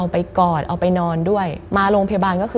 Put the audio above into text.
มันกลายเป็นรูปของคนที่กำลังขโมยคิ้วแล้วก็ร้องไห้อยู่